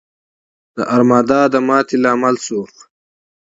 د ارمادا د ماتې لامل شول.